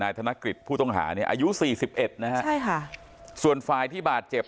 นายธนกฤษผู้ต้องหาอายุ๔๑นะครับใช่ค่ะส่วนไฟล์ที่บาดเจ็บ